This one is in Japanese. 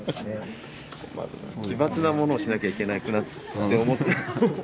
奇抜なものをしなきゃいけなくなって思って。